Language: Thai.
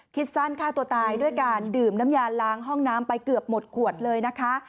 คิดสั้นฆ่าตัวตายด้วยการดื่มน้ำยาล้างห้องน้ำไปเกือบหมดขวดเลยนะคะ